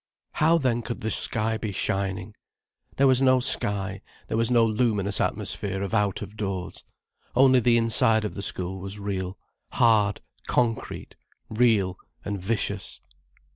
How then could the sky be shining? There was no sky, there was no luminous atmosphere of out of doors. Only the inside of the school was real—hard, concrete, real and vicious.